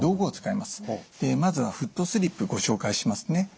まずはフットスリップご紹介しますね。